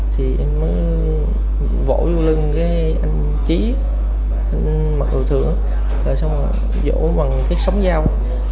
thì anh mới vỗ vô lưng cái anh trí anh mặc đồ thừa rồi xong rồi vỗ bằng cái sóng dao